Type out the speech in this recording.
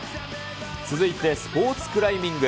続いてスポーツクライミング。